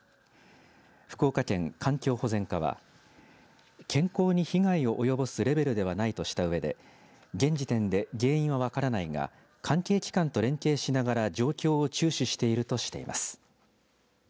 福岡県環境保全課は健康に被害を及ぼすレベルではないとしたうえで現時点で原因は分からないが関係機関と連携しながら状況を注視しているとしています。